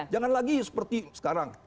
jangan lagi seperti sekarang